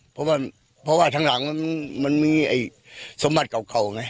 เพราะว่าเพราะว่าทางหลังมันมีไอ้สมบัติก่อนก่อนไง